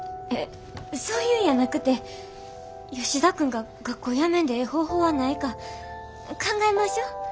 そういうんやなくて吉田君が学校やめんでええ方法はないか考えましょ？